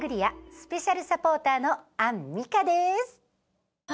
スペシャルサポーターのアンミカです。